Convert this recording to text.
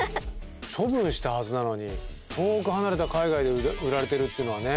処分したはずなのに遠く離れた海外で売られてるっていうのはね。